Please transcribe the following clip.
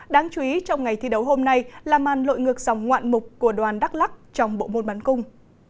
đáng chú ý trong ngày thi đấu hôm nay là màn lội ngược dòng ngoạn mục của đoàn đắk lắc trong bộ môn bắn cung